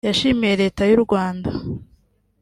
yashimiye Leta y’u Rwanda